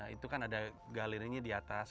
itu kan ada galerinya di atas